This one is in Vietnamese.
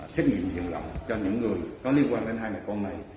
xét nghiệm dân rộng cho những người có liên quan đến hai mẹ con này